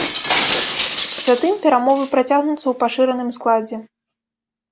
Затым перамовы працягнуцца ў пашыраным складзе.